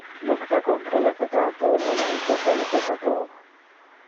Lucta contra le peccato, ma non tocca le peccator.